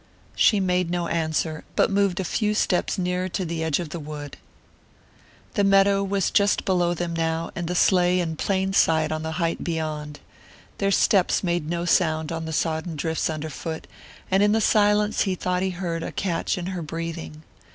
She made no answer, but moved a few steps nearer to the edge of the wood. The meadow was just below them now, and the sleigh in plain sight on the height beyond. Their steps made no sound on the sodden drifts underfoot, and in the silence he thought he heard a catch in her breathing.